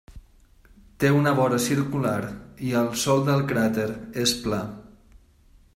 Té una vora circular i el sòl del cràter és pla.